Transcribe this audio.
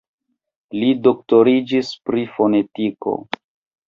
Li doktoriĝis pri fonetiko.